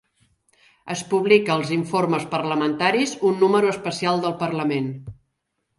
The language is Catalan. Es publica als "Informes parlamentaris", un número especial del Parlament.